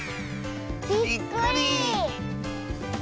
びっくり！